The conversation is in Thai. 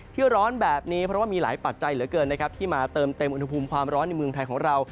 ร้อนแบบนี้เพราะว่ามีหลายปัจจัยเหลือเกินนะครับที่มาเติมเต็มอุณหภูมิความร้อนในเมืองไทยของเรา